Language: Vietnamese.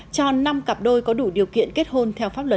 cho năm cặp đôi có đủ điều kiện kết hôn theo pháp luật